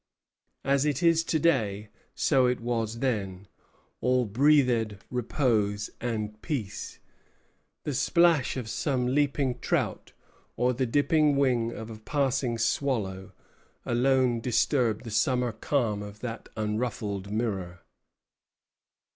As it is to day, so it was then; all breathed repose and peace. The splash of some leaping trout, or the dipping wing of a passing swallow, alone disturbed the summer calm of that unruffled mirror.